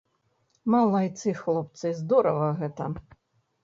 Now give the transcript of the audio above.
Малайцы, хлопцы, здорава гэта.